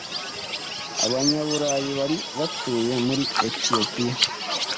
Abanyaburayi bari batuye muri Etiyopiya